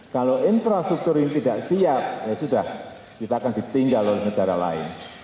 kalau infrastruktur ini tidak siap ya sudah kita akan ditinggal oleh negara lain